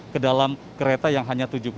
ke dalam kereta yang hanya tujuh puluh empat